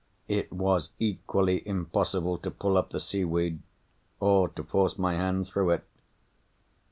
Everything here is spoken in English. It was equally impossible to pull up the seaweed, or to force my hand through it.